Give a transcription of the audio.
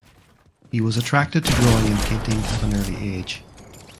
He was attracted to drawing and painting at an early age.